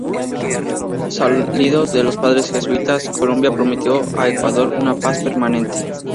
Salidos los padres jesuitas, Colombia prometió a Ecuador "una paz permanente".